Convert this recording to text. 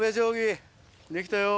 できたよ。